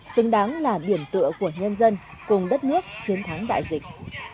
xứng đáng là điểm tựa của nhân dân cùng đất nước chiến thắng đại dịch